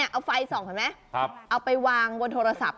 เอาไฟส่องเห็นไหมเอาไปวางบนโทรศัพท์